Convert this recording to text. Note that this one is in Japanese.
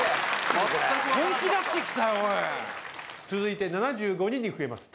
続いて７５人に増えます。